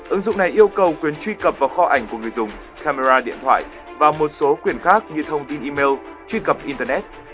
ứng dụng này yêu cầu quyền truy cập vào kho ảnh của người dùng camera điện thoại và một số quyền khác như thông tin email truy cập internet